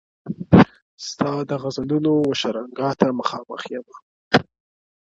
ستا د غزلونو و شرنګاه ته مخامخ يمه.